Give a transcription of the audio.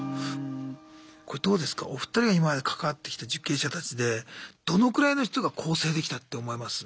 これどうですかお二人が今まで関わってきた受刑者たちでどのくらいの人が更生できたって思います？